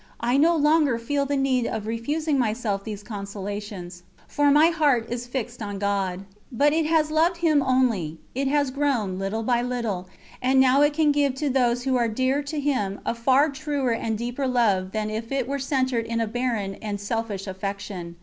I no longer feel the need of refusing myself these consolations, for my heart is fixed on God. Because it has loved Him only, it has grown, little by little, and now it can give to those who are dear to Him a far deeper and truer love than if it were centred in a barren and selfish affection.